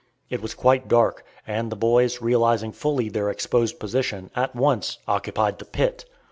It was quite dark, and the boys, realizing fully their exposed position, at once occupied the pit.